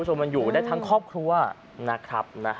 ตั้ง๕๐๐มันอยู่ได้ทั้งครอบครัวนะครับ